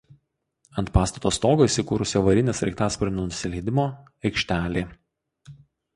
Ant pastato stogo įsikūrusi avarinė sraigtasparnių nusileidimo aikštelė.